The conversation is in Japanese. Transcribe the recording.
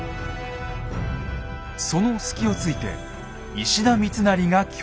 その隙をついて石田三成が挙兵。